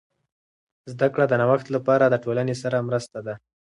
زده کړه د نوښت لپاره د ټولنې سره مرسته ده.